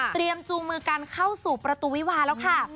จูงมือกันเข้าสู่ประตูวิวาแล้วค่ะ